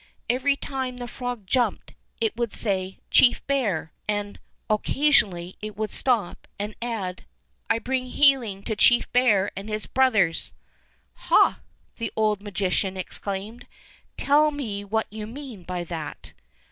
Every time the frog jumped it would say, "Chief Bear"; and oc 56 Fairy Tale Bears casionally it would stop and add, "I bring healing to Chief Bear and his brothers." "Ha!" the old magician exclaimed, "tell me what you mean by that?"